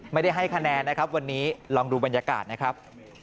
ไม่ได้ให้คะแนนนะครับวันนี้ลองดูบรรยากาศนะครับ